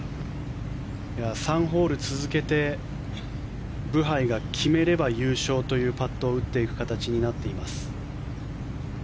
３ホール続けてブハイが決めれば優勝というパットを打っていく形になっています。